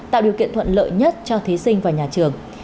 tạo điều kiện thuận lợi nhất cho thí sinh và nhà trường